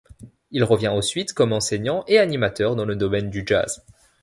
Il revient ensuite comme enseignant et animateur dans le domaine du jazz.